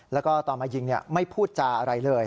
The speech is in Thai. แล้วก็ตอนมายิงไม่พูดจาอะไรเลย